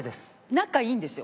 仲いいんですよ。